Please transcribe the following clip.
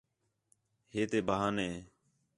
ہِے تے بہانے